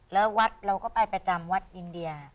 แล้ววัดเราก็ไปประจำวัดอินเดีย